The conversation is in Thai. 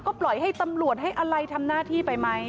ก็ปล่อยให้ตำรวจให้อะไรทำหน้าที่ไปไหม